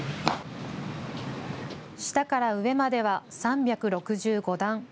下から上までは３６５段。